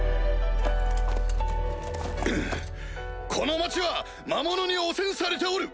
この町は魔物に汚染されておる！